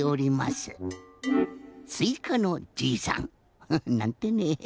すいかのじいさんなんてね。